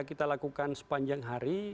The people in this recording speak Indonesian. kita lakukan sepanjang hari